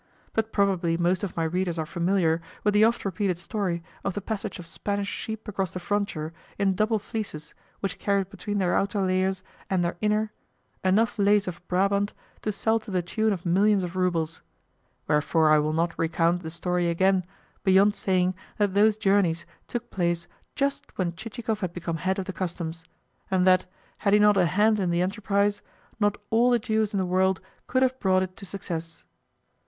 But probably most of my readers are familiar with the oft repeated story of the passage of Spanish sheep across the frontier in double fleeces which carried between their outer layers and their inner enough lace of Brabant to sell to the tune of millions of roubles; wherefore I will not recount the story again beyond saying that those journeys took place just when Chichikov had become head of the Customs, and that, had he not a hand in the enterprise, not all the Jews in the world could have brought it to success.